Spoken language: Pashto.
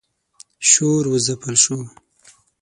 شور و ځپل شو.